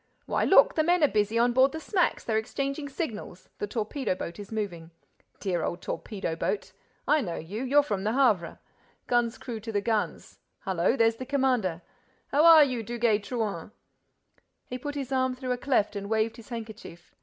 —Why, look, the men are busy on board the smacks—they're exchanging signals.—The torpedo boat is moving.—Dear old torpedo boat! I know you, you're from the Havre.—Guns' crews to the guns!—Hullo, there's the commander!—How are you, Duguay Trouin?" He put his arm through a cleft and waved his handkerchief.